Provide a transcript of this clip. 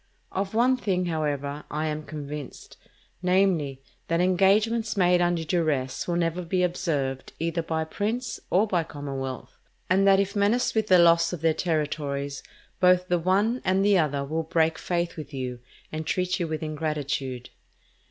Of one thing, however, I am convinced, namely, that engagements made under duress will never be observed either by prince or by commonwealth; and that if menaced with the loss of their territories, both the one and the other will break faith with you and treat you with ingratitude.